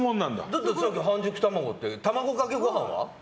だって、さっき半熟卵って卵かけご飯は？